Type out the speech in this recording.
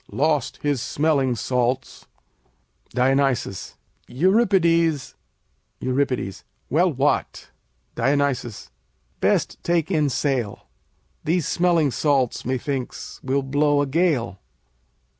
lost his smelling salts. Dion. Euripides Eur. Well, what? Dion. Best take in sail. These smelling salts, methinks, will blow a gale.